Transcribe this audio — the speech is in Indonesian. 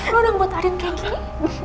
lo udah buat arin kayak gini